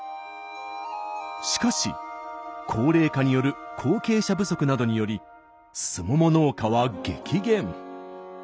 しかし高齢化による後継者不足などによりすもも農家は激減。